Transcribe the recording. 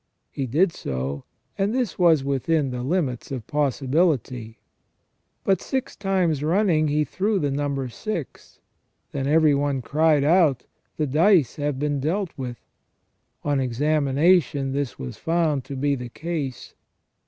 He did so, and this was within the limits of possibility. But six times running he threw the number six. Then every one cried out :' The dice have been dealt with \ On examination this was found to be the case.